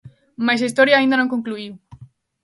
Mais a historia aínda non concluíu.